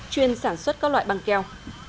chuyên sản xuất các loại băng keo